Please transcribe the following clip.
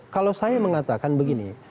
kalau saya mengatakan begini